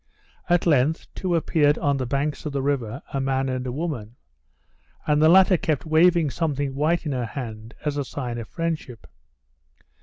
At length two appeared on the banks of the river, a man and a woman; and the latter kept waving something white in her hand, as a sign of friendship.